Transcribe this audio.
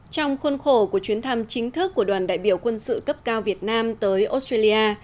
trong khuôn khổ của chuyến thăm chính thức của đoàn đại biểu quân sự cấp cao việt nam tới australia